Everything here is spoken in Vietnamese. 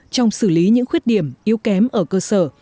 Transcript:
trong xử lý những khuyết điểm yếu kém ở cơ sở